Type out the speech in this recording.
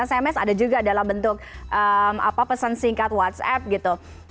sms ada juga dalam bentuk pesan singkat whatsapp gitu